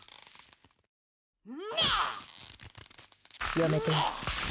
やめて。